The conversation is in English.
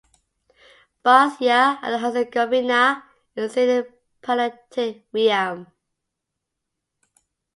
Bosnia and Herzegovina is in the Palearctic realm.